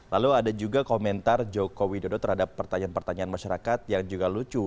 lalu ada juga komentar jokowi dodo terhadap pertanyaan pertanyaan masyarakat yang juga lucu